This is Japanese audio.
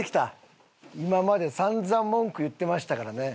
今まで散々文句言ってましたからね。